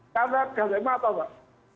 karena galema tahu mbak